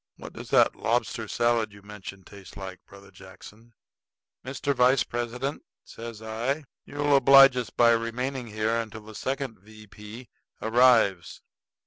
What does that lobster salad you mentioned taste like, Brother Jackson?" "Mr. Vice President," says I, "you'll oblige us by remaining here till the second V. P. arrives.